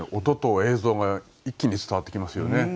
音と映像が一気に伝わってきますよね。